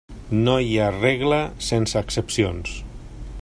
No hi ha regla sense excepcions.